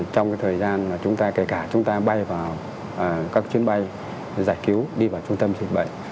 trong cái thời gian mà chúng ta kể cả chúng ta bay vào các chuyến bay giải cứu đi vào trung tâm trình bệnh